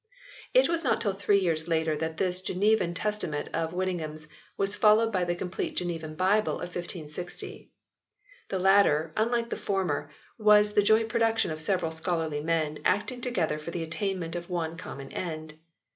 It was not till three years later that this Genevan Testament of Whittingham s was followed by the complete Genevan Bible of 1560. The latter, unlike the former, was the joint production of several scholarly men, acting together for the attainment of one common end.